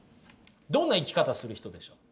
どんな生き方する人でしょう？